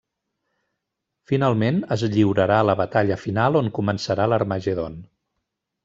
Finalment, es lliurarà la batalla final on començarà l'Harmagedon.